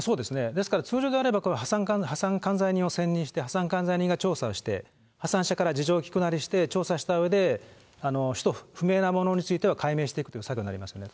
ですから、通常であれば、破産管財人を選任して、破産管財人が調査をして、破産者から事情を聞くなりして、調査したうえで、使途不明なものについては解明していくという作業になりますね。